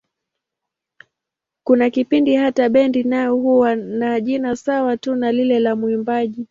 Kuna kipindi hata bendi nayo huwa na jina sawa tu na lile la mwimbaji.